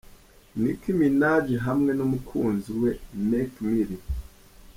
Nicki Minaji hamwe n'umukunzi we Meek Mill.